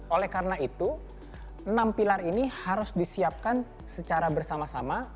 oleh karena itu enam pilar ini harus disiapkan secara bersama sama